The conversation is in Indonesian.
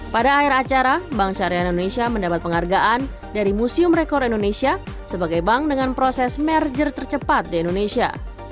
pada akhir acara bank syariah indonesia mendapat penghargaan dari museum rekor indonesia sebagai bank dengan proses merger tercepat di indonesia